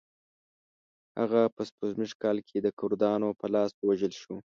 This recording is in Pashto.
هغه په سپوږمیز کال کې د کردانو په لاس ووژل شو.